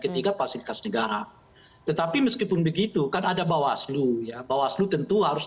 ketiga fasilitas negara tetapi meskipun begitu kan ada bawah slu ya bahwa slu tentu harus